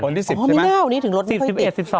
อ๋อมีหน้าวันนี้ถึงรถไม่ค่อยติด